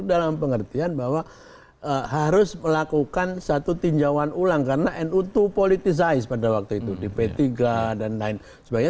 dalam pengertian bahwa harus melakukan satu tinjauan ulang karena nu itu politisize pada waktu itu di p tiga dan lain sebagainya